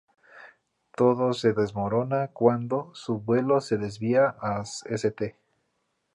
Todo se desmorona cuándo su vuelo se desvía a St.